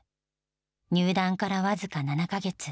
入団から僅か７か月。